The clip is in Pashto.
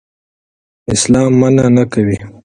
اسلام منع نه کوي.